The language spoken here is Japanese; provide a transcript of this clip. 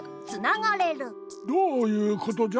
どういうことじゃ？